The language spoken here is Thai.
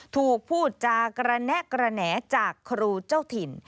ถูกพูดจากระแนะกระแหน่จากครูเจ้าถิ่น